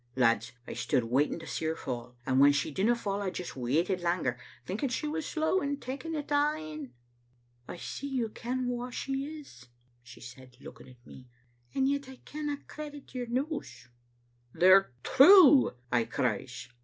'" Lads, I stood waiting to see her fall, and when she didna fall I just waited langer, thinking she was slow in taking it a* in. " 'I see you ken wha she is,' she said, looking at me, •and yet I canna credit your news.' "'They're true,' I cries.